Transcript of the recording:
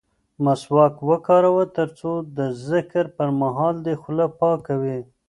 مسواک وکاروه ترڅو د ذکر پر مهال دې خوله پاکه وي.